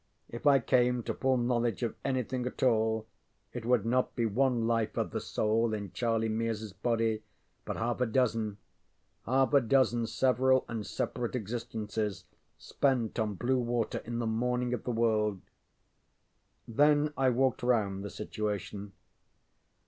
If I came to full knowledge of anything at all, it would not be one life of the soul in Charlie MearsŌĆÖs body, but half a dozen half a dozen several and separate existences spent on blue water in the morning of the world! Then I walked round the situation.